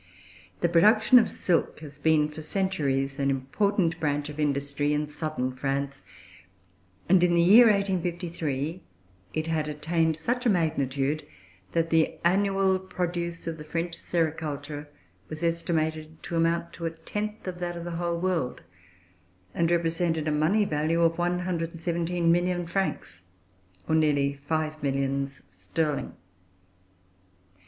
The production of silk has been for centuries an important branch of industry in Southern France, and in the year 1853 it had attained such a magnitude that the annual produce of the French sericulture was estimated to amount to a tenth of that of the whole world, and represented a money value of 117,000,000 francs, or nearly five millions sterling.